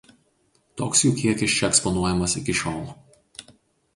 Toks jų kiekis čia eksponuojamas iki šiol.